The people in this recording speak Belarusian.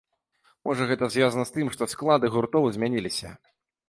Можа, гэта звязана з тым, што склады гуртоў змяніліся.